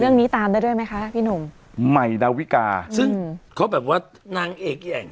เรื่องนี้ตามได้ด้วยไหมคะพี่หนุ่มใหม่ดาวิกาซึ่งเขาแบบว่านางเอกอย่าง